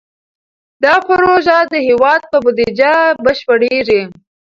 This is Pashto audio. دا پروژه د هېواد په بودیجه بشپړېږي.